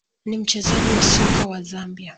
ni mchezaji wa soka wa Zambia